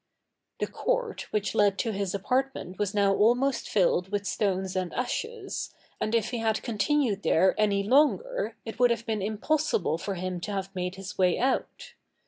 The court which led to his apartment was now almost filled with stones and ashes, and if he had continued there any longer, it would have been impossible for him to have made his way out.